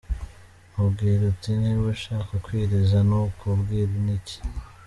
Mubwire uti ‘niba ushaka kwiriza, nakubwira iki.